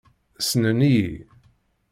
Ssnen-iyi.